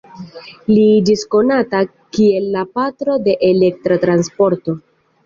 Li iĝis konata kiel la "Patro de Elektra Transporto".